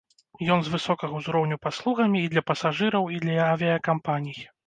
Ён з высокага ўзроўню паслугамі і для пасажыраў, і для авіякампаній.